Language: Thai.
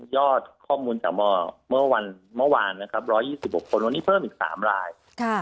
ยอดข้อมูลจากมเมื่อวานนะครับ๑๒๖คนวันนี้เพิ่มอีก๓ราย